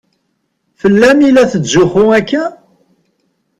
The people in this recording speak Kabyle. Fell-am i la tetzuxxu akka?